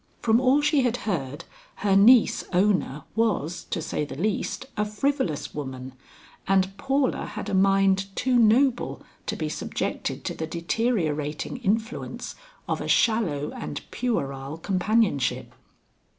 From all she had heard, her niece Ona was, to say the least, a frivolous woman, and Paula had a mind too noble to be subjected to the deteriorating influence of a shallow and puerile companionship.